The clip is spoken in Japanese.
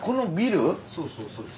そうそうそうです。